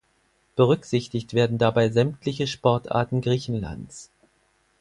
Berücksichtigt werden dabei sämtliche Sportarten Griechenlands.